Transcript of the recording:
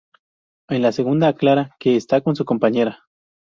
En la segunda, aclara que "está con su compañera".